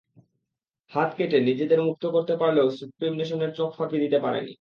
হাত কেটে নিজেদের মুক্ত করতে পারলেও সুপ্রিম নেশনের চোঁখ ফাঁকি দিতে পারেনি।